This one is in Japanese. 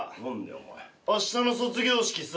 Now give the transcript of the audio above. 明日の卒業式さ。